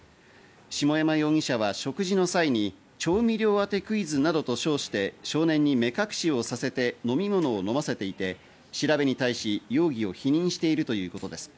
下山容疑者は食事の際に調味料当てクイズなどと称して少年に目隠しをさせて飲み物を飲ませていて、調べに対し容疑を否認しているということです。